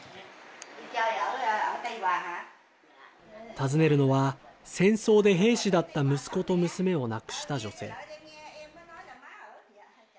訪ねるのは、戦争で兵士だった息子と娘を亡くした女性。